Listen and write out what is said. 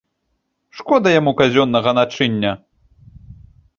Шкода яму казённага начыння.